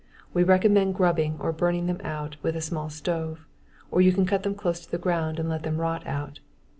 We recommend grubbing or burning them out with a small stove, or you can cut them close to the ground and let them rot out.